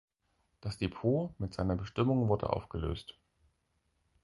Das Depot mit seiner Bestimmung wurde aufgelöst.